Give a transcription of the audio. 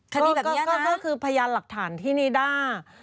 คดีแบบนี้นะคะก็คือพยานหลักฐานที่นิด้า